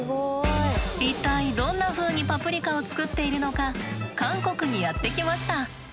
一体どんなふうにパプリカを作っているのか韓国にやって来ました。